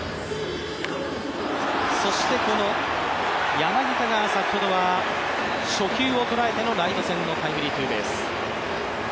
そしてこの柳田が先ほどは初球をとらえてのライト線のタイムリーツーベース。